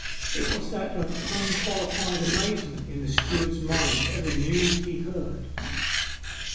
It was that of unqualified amazement in the steward's mind at the news he heard.